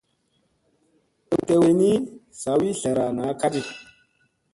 Tew koyni ni, sawi zlara naa ka ɗi.